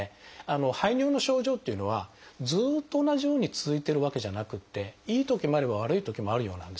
排尿の症状っていうのはずっと同じように続いてるわけじゃなくていいときもあれば悪いときもあるようなんですね。